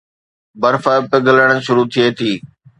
برف پگھلڻ شروع ٿئي ٿي